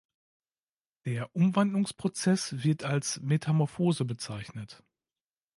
Der Umwandlungsprozess wird als Metamorphose bezeichnet.